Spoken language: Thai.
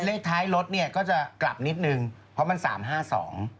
เลขท้ายรถเนี่ยก็จะกลับนิดนึงเพราะมัน๓๕๒